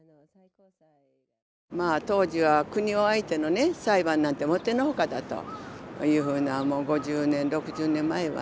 当時は国を相手の裁判なんてもってのほかだというふうな５０年６０年前はね